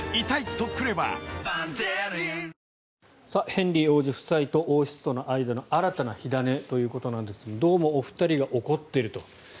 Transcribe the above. ヘンリー王子夫妻と王室との間の新たな火種ということなんですがどうもお二人が怒っていると。